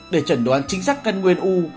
để chẩn đoán chính xác cân nguyên u